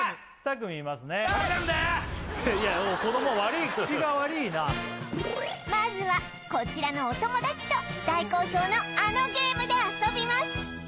２組いますね子ども悪い口が悪いなまずはこちらのお友達と大好評のあのゲームで遊びます